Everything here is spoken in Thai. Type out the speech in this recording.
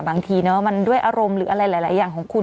บางทีมันด้วยอารมณ์หรืออะไรหลายอย่างของคุณ